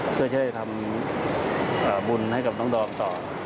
เพื่อจะได้ทำบุญให้กับน้องดอมต่อ